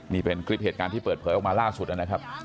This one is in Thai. นี่เป็นคลิปเหตุการณ์ที่เปิดเผยออกมาล่าสุดนะครับ